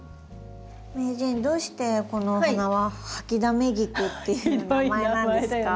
名人どうしてこのお花はハキダメギクっていう名前なんですか？